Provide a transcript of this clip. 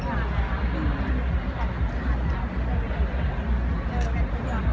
ไม่ทราบเลยครับ